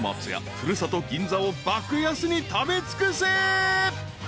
古里銀座を爆安に食べ尽くせ］